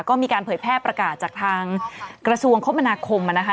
ก็มีการเผยแพร่ประกาศจากทางกระทรวงคมนาคมนะคะ